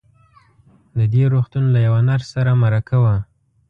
د دې روغتون له يوه نرس سره مرکه وه.